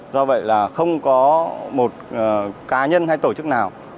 do vậy là không có một cá nhân hay tổ chức nào